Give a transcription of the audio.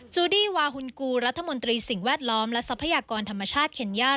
ูดี้วาฮุนกูรัฐมนตรีสิ่งแวดล้อมและทรัพยากรธรรมชาติเคนย่า